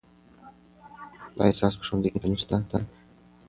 آیا ستاسو په ښوونځي کې انټرنیټ شته؟